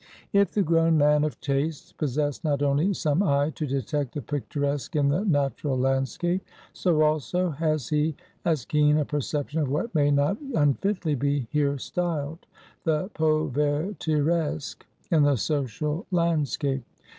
If the grown man of taste, possess not only some eye to detect the picturesque in the natural landscape, so also, has he as keen a perception of what may not unfitly be here styled, the povertiresque in the social landscape.